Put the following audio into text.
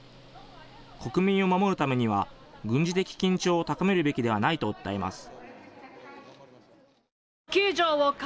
国民を守るためには、軍事的緊張を高めるべきではないと訴えます。